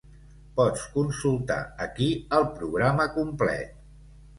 Pots consultar aquí el programa complet.